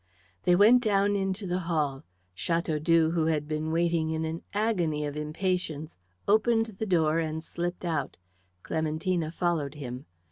They went down into the hall. Chateaudoux, who had been waiting in an agony of impatience, opened the door and slipped out; Clementina followed him.